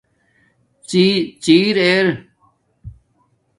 ڎی ڎِر اری